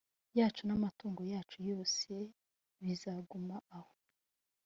yacu n amatungo yacu yose bizaguma aho